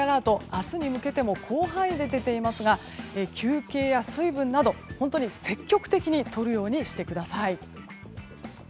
明日に向けても広範囲で出ていますが休憩や水分など本当に積極的にとるようにしてください。